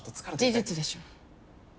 事実でしょ。